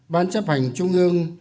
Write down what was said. ban chấp hành trung ương